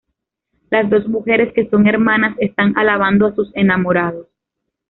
Las dos mujeres, que son hermanas, están alabando a sus enamorados.